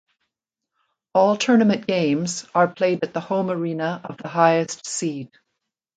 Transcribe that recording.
All tournament games are played at the home arena of the highest seed.